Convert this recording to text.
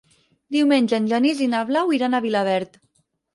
Diumenge en Genís i na Blau iran a Vilaverd.